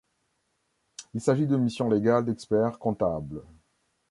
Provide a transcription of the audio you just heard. Il s'agit de missions légales d'experts comptables.